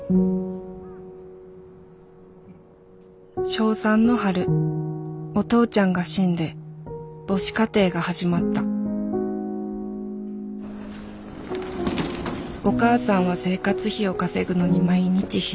小３の春お父ちゃんが死んで母子家庭が始まったお母さんは生活費を稼ぐのに毎日必死で。